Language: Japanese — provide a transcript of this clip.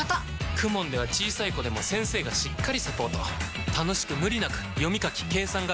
ＫＵＭＯＮ では小さい子でも先生がしっかりサポート楽しく無理なく読み書き計算が身につきます！